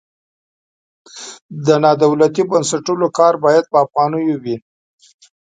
د نادولتي بنسټونو کار باید په افغانیو وي.